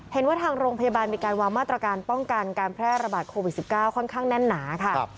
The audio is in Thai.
เห็นว่าทางโรงพยาบาลมีการวางมาตรการป้องกันการแพร่ระบาดโควิด๑๙ค่อนข้างแน่นหนาค่ะ